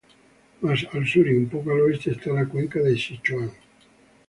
Más al sur y un poco al oeste está la cuenca de Sichuan.